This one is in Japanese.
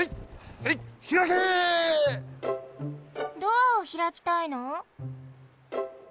ドアをひらきたいの？